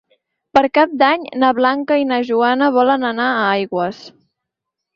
Per Cap d'Any na Blanca i na Joana volen anar a Aigües.